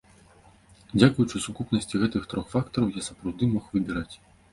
Дзякуючы сукупнасці гэтых трох фактараў, я сапраўды мог выбіраць.